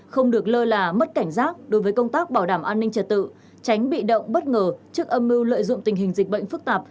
không được lơ là mất cảnh giác đối với công tác bảo đảm an ninh trật tự tránh bị động bất ngờ trước âm mưu lợi dụng tình hình dịch bệnh phức tạp